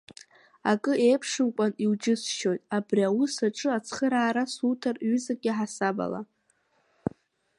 Акы еиԥшымкәан иуџьысшьоит абри аус аҿы ацхыраара суҭар ҩызак иаҳасабала…